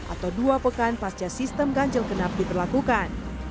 atau dua pekan pasca sistem ganjil genap diberlakukan